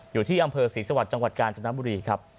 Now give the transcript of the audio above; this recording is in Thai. อยู่ที่อำเภอศรีสวรรค์จังหวัดกาญจนบุรีครับ